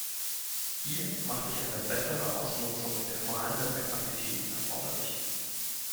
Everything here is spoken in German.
Hier macht sich eine bessere Ausnutzung der vorhandenen Kapazitäten erforderlich.